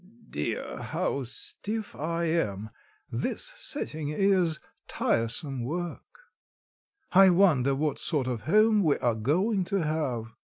dear! how stiff I am! This setting is tiresome work." "I wonder what sort of home we are going to have."